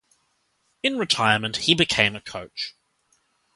In retirement he became a coach.